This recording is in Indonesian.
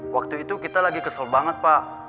waktu itu kita lagi kesel banget pak